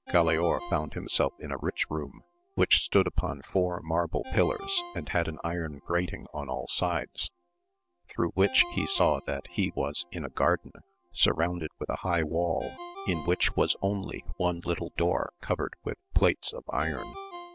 Galaor found himself in a rich room, which stood upon four marble pillars, and had an iron grating on aU sides, through which he saw that he was in a garden, sur rounded with a high wall, in which was only one little doorcoveredwith plates of iron.